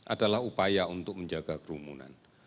adalah upaya untuk menjaga kerumunan